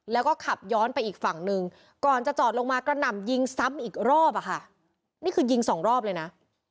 แล้วก็ขับย้อนไปอีกฝั่งหนึ่งก่อนจะจอดลงมากระหน่ำยิงซ้ำอีกรอบอะค่ะนี่คือยิงสองรอบเลยนะ